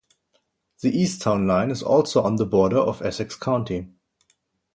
The east town line is also on the border of Essex County.